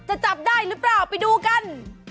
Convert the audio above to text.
จะจับได้หรือเปล่าไปดูกัน